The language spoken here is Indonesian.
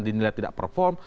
dinilai tidak perform